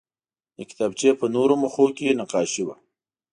د کتابچې په نورو مخونو کې نقاشي وه